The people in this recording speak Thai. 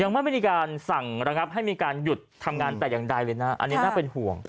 ไม่ได้มีการสั่งระงับให้มีการหยุดทำงานแต่อย่างใดเลยนะอันนี้น่าเป็นห่วง